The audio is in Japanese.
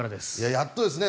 やっとですね。